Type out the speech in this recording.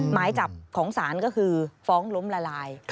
หมายจับของศาลก็คือฟ้องล้มละลาย